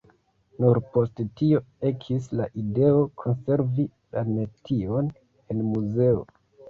Nur post tio ekis la ideo, konservi la metion en muzeo.